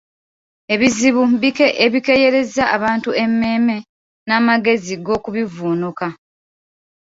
Ebizibu ebikeeyereza abantu emmeeme n’amagezi g’okubivvuunuka.